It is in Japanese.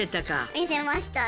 見せましたね。